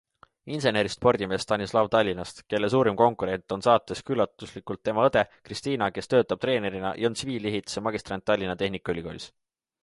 Insenerist spordimees Stanislav Tallinnast, kelle suurim konkurent on saates üllatuslikult tema õde Kristiina, kes töötab treenerina ja on tsiviilehituse magistrant Tallinna Tehnikaülikoolis.